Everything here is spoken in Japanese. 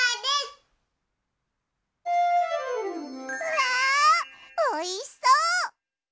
わあおいしそう！